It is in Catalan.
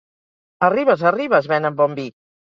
A Ribes, a Ribes, venen bon vi!